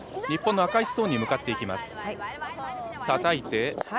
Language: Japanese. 日本の赤いストーンに向かっていきます、たたいて。